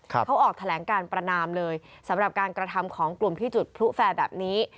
เขาออกแถลงการประนามเลยสำหรับการกระทำของกลุ่มที่จุดพลุแฟร์แบบนี้